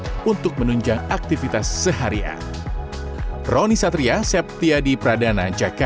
untuk menunjang aktivitas seharian